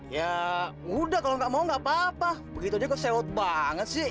ya udah kalau nggak mau nggak apa apa begitunya kok seot banget sih